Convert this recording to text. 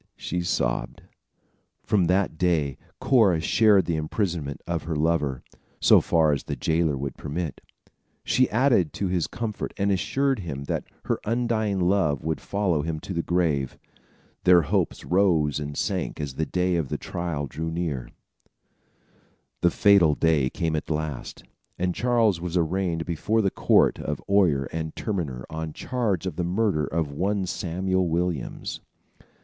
she sobbed. From that day, Cora shared the imprisonment of her lover, so far as the jailer would permit. She added to his comfort and assured him that her undying love would follow him to the grave. Their hopes rose and sank as the day of trial drew near. The fatal day came at last, and Charles was arraigned before the court of oyer and terminer on charge of the murder of one Samuel Williams.